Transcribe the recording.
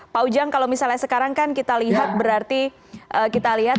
pak ujang kalau misalnya sekarang kan kita lihat